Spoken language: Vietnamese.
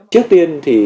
trước tiên thì